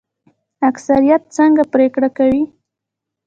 اکثریت څنګه پریکړه کوي؟